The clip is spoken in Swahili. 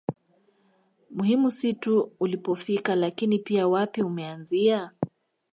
Muhimu si tu ulipofika lakini pia wapi umeanzia